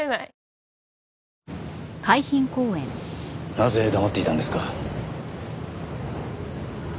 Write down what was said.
なぜ黙っていたんですか？